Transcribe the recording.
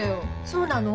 そうなの？